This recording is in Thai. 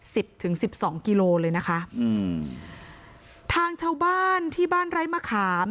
สิบถึงสิบสองกิโลเลยนะคะอืมทางชาวบ้านที่บ้านไร้มะขาม